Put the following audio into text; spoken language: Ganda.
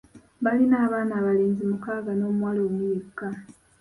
Baalina abaana abalenzi mukaaga n'omuwala omu yekka.